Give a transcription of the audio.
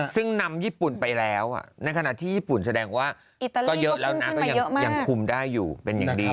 ซึ่งนำญี่ปุ่นไปแล้วในขณะที่ญี่ปุ่นแสดงว่าก็เยอะแล้วนะก็ยังคุมได้อยู่เป็นอย่างดี